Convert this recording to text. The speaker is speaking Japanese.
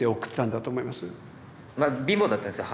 まあ貧乏だったんですよ